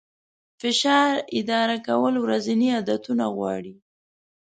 فشار اداره کول ورځني عادتونه غواړي.